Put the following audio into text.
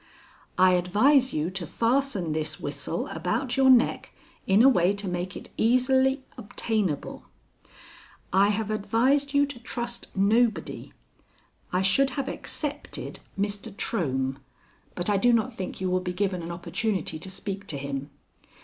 "I advise you to fasten this whistle about your neck in a way to make it easily obtainable. "I have advised you to trust nobody. I should have excepted Mr. Trohm, but I do not think you will be given an opportunity to speak to him.